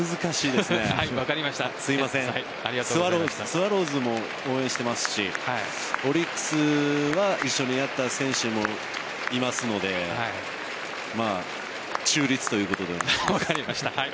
スワローズも応援していますしオリックスは一緒にやった選手もいますので中立ということでお願いします。